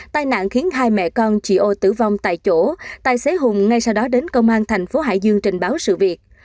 tai nạn khiến hai mẹ con chị ô tử vong tại chỗ tài xế hùng ngay sau đó đến công an thành phố hải dương trình báo sự việc